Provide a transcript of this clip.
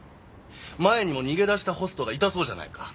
前にも逃げ出したホストがいたそうじゃないか。